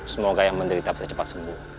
semoga yang menderita bisa cepat sembuh